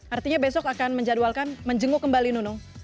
artinya besok akan menjadwalkan menjenguk kembali nunung